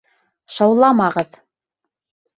Шауламағыҙ!